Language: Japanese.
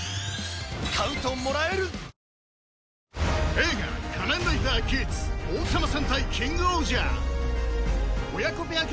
映画『仮面ライダーギーツ』『王様戦隊キングオージャー』